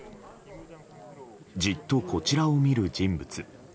じっと、こちらを見る人物。